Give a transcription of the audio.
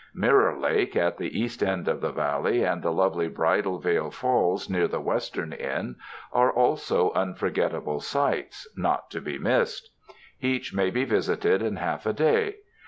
Mirror Lake at the east end of the Valley and the lovely Bridal Veil Falls near the western end, are also unforgettable sights not to be missed. Each may be visited in half a day.